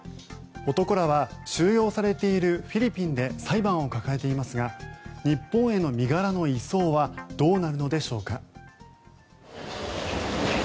男らは収容されているフィリピンで裁判を抱えていますが日本への身柄の移送はどうなるのでしょうか。